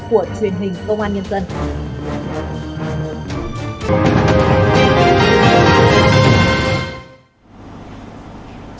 của truyền hình công an nhân dân